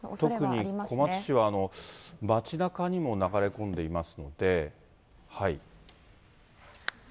特に小松市は、町なかにも流れ込んでいますので。